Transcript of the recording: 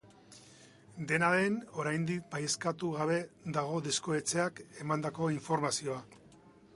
Dena den, oraindik baieztatu gabe dago diskoetxeak emandako informazioa.